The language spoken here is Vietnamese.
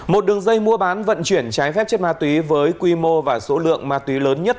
một đường dây mua bán vận chuyển trái phép chất ma túy với quy mô và số lượng ma túy lớn nhất